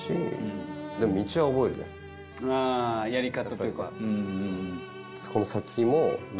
やり方というか。